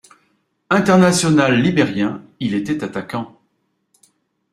International liberien, il était attaquant.